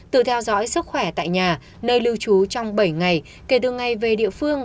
tự theo dõi sức khỏe tại nhà nơi lưu trú trong bảy ngày kể từ ngày về địa phương